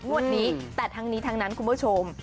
งวดนี้แต่ทั้งนี้ทั้งนั้นคุณผู้ชม